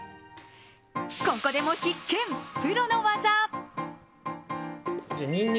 ここでも必見、プロの技。